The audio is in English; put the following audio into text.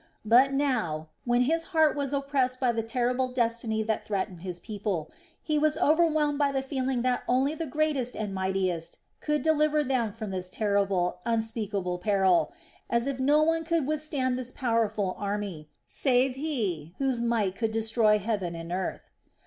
But now, when his heart was oppressed by the terrible destiny that threatened his people, he was overwhelmed by the feeling that only the Greatest and Mightiest could deliver them from this terrible, unspeakable peril, as if no one could withstand this powerful army, save He whose might could destroy heaven and earth.